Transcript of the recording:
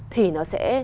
thì nó sẽ